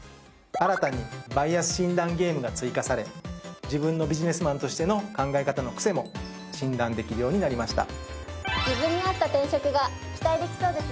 新たにバイアス診断ゲームが追加され自分のビジネスマンとしての考え方のクセも診断できるようになりました。